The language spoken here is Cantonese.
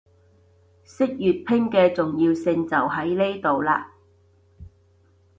識粵拼嘅重要性就喺呢度喇